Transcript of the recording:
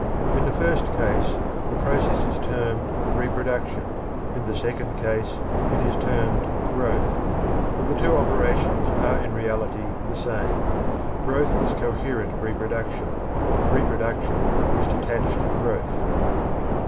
In the first case the process is termed reproduction; in the second case it is termed growth. But the two operations are in reality the same. Growth is coherent reproduction; reproduction is detached growth.